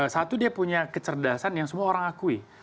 satu dia punya kecerdasan yang semua orang akui